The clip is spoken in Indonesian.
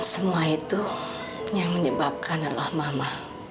semua itu yang menyebabkan adalah mama